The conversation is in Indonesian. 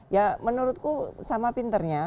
ya menurutku sama pinternya